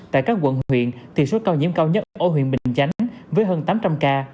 tại các quận huyện thì số ca nhiễm cao nhất ở huyện bình chánh với hơn tám trăm linh ca